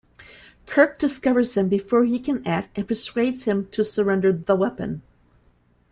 Kirk discovers him before he can act and persuades him to surrender the weapon.